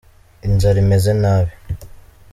Inzara imeze nabi.